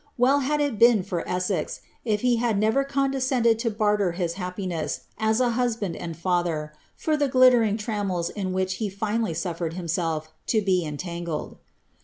Well had it been for Essex, if he had never condescended to barter his happiness, as a knsband and father, for the glittering trammels in which he finally suf fered himself to be entangled.